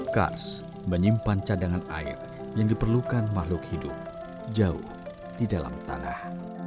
kars menyimpan cadangan air yang diperlukan makhluk hidup jauh di dalam tanah